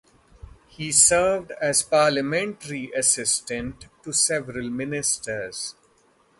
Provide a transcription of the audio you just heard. He served as Parliamentary Assistant to several ministers.